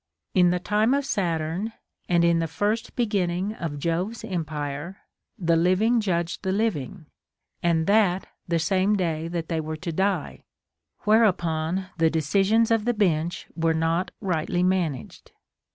In the time of Saturn, and in the first beginning of Jove's empire, the living judged the living, and tliat the same day that the ν were to die ; Avhereupon the decisions of the bench were not rightly managed.